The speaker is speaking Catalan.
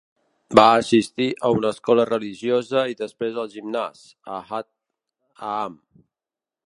Va assistir a una escola religiosa i després al gimnàs Ahad Haam.